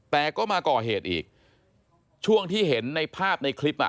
แต่ก็มาก่อเหตุอีกช่วงที่เห็นในภาพในคลิปอ่ะ